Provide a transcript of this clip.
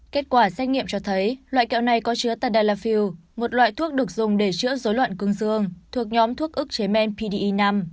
kết quả xét nghiệm cho thấy loại kẹo này có chứa tedallafield một loại thuốc được dùng để chữa dối loạn cương dương thuộc nhóm thuốc ức chế men pdi năm